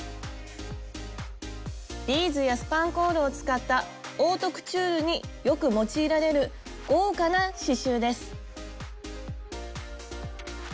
ビーズやスパンコールを使ったオートクチュールによく用いられる豪華な刺しゅうです。